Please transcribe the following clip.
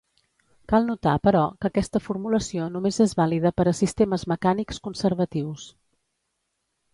Cal notar, però, que aquesta formulació només és vàlida per a sistemes mecànics conservatius.